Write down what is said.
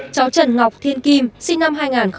cháu trần ngọc thiên kim sinh năm hai nghìn một mươi sáu